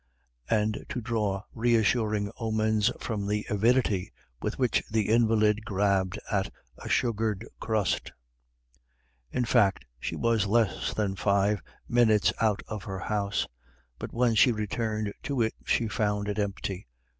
and to draw reassuring omens from the avidity with which the invalid grabbed at a sugared crust. In fact, she was less than five minutes out of her house; but when she returned to it, she found it empty.